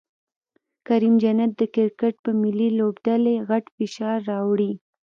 کریم جنت د کرکټ په ملي لوبډلې غټ فشار راوړي